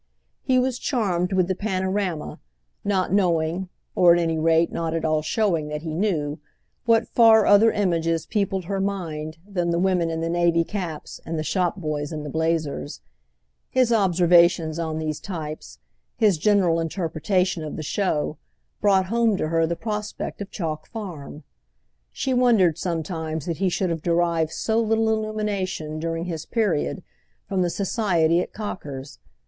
He was charmed with the panorama, not knowing—or at any rate not at all showing that he knew—what far other images peopled her mind than the women in the navy caps and the shop boys in the blazers. His observations on these types, his general interpretation of the show, brought home to her the prospect of Chalk Farm. She wondered sometimes that he should have derived so little illumination, during his period, from the society at Cocker's.